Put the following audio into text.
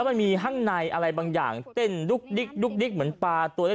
พี่ดรอยใจบ้างว่ามันคืออะไร